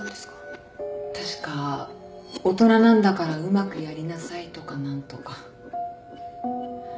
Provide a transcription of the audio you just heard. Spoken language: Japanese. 確か「大人なんだからうまくやりなさい」とか何とか。